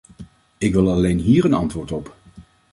Ik wil alleen hier een antwoord op.